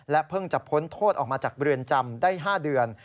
เพิ่งจะพ้นโทษออกมาจากเรือนจำได้๕เดือน